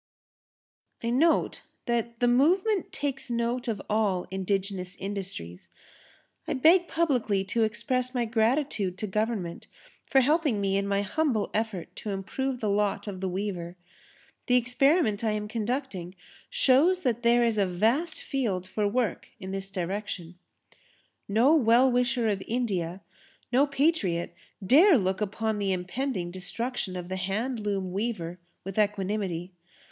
I note that the movement takes note of all indigenous industries. I beg publicly to express my gratitude to Government for helping me in my humble effort to improve the lot of the weaver. The experiment I am conducting shows that there is a vast field for work in this direction. No well wisher of India, no patriot dare look upon the impending destruction of the hand loom weaver with equanimity.